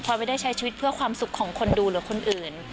ไม่ได้ใช้ชีวิตเพื่อความสุขของคนดูหรือคนอื่น